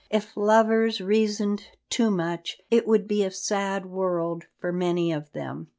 If lovers reasoned too much, it would be a sad world for many of them.